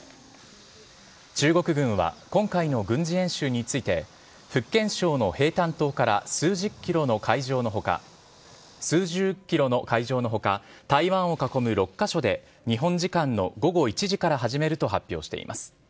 中国軍は今回の軍事演習について福建省のヘイタン島から数十ｋｍの海上の他台湾を囲む６カ所で日本時間の午後１時から始めると発表しています。